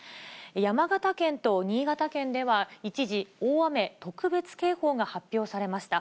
山形県と新潟県では、一時、大雨特別警報が発表されました。